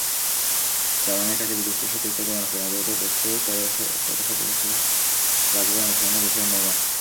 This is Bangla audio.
জার্মানির কাছে বিধ্বস্ত সতীর্থদের অনুপ্রেরণা জোগাতে পরশু তেরোসোপলিসে ব্রাজিলের অনুশীলনে গিয়েছিলেন নেইমার।